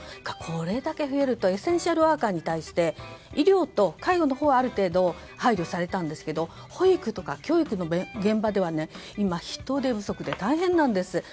これだけ増えるとエッセンシャルワーカーに対して医療と介護のほうはある程度は配慮されたんですが保育とか教育の現場では今、人手不足で大変なんです。